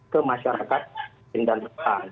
ke masyarakat miskin dan rentan